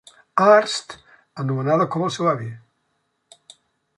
Arts, anomenada com el seu avi.